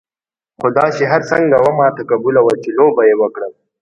خو دا چې هر څنګه وه ما ته قبوله وه چې لوبه یې وکړم.